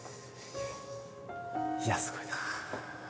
いやすごいな。